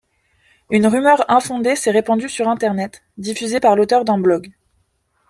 Une rumeur infondée s'est répandue sur Internet, diffusée par l'auteur d'un blog.